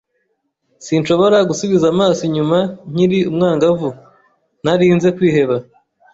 Sinshobora gusubiza amaso inyuma nkiri umwangavu ntarinze kwiheba.